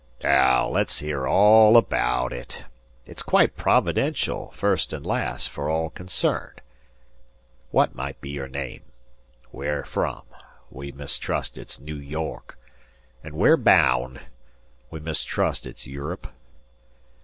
"Naow let's hear all abaout it. It's quite providential, first an' last, fer all concerned. What might be your name? Where from (we mistrust it's Noo York), an' where baound (we mistrust it's Europe)?"